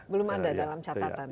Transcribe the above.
belum ada dalam catatan